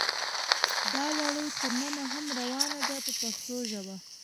دا لړۍ تر ننه هم روانه ده په پښتو ژبه.